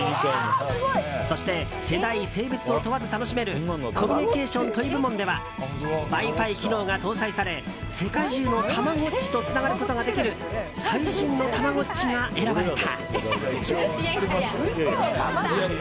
そして世代・性別を問わず楽しめるコミュニケーション・トイ部門ではＷｉ‐Ｆｉ機能が搭載され世界中のたまごっちとつながることができる最新のたまごっちが選ばれた。